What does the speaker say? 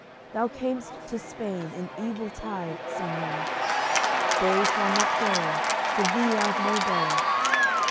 Thou cam'st to Spain in evil tide, seigneur! Day shall not dawn, for thee I've no dolour.